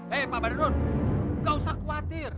hei pak badrun gak usah khawatir